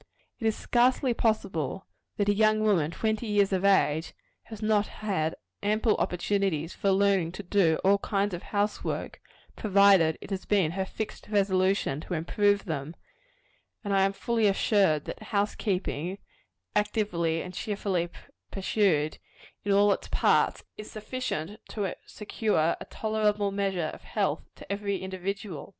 It is scarcely possible that a young woman twenty years of age, has not had ample opportunities for learning to do all kinds of house work, provided it has been her fixed resolution to improve them; and I am fully assured that house keeping, actively and cheerfully pursued, in all its parts, is sufficient to secure a tolerable measure of health to every individual.